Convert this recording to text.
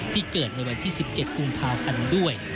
ที่เกิดในวันที่๑๗ปรุงเภาคันด้วย